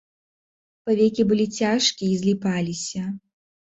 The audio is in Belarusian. Павекі былі цяжкія і зліпаліся.